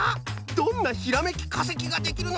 どんなひらめきかせきができるのか。